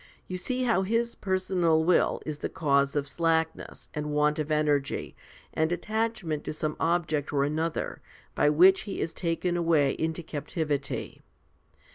You see how his personal will is the cause of slackness, and want of energy, and attachment to some object or another, by which he is taken away into captivity.